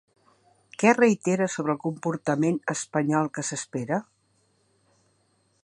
Què reitera sobre el comportament espanyol que s'espera?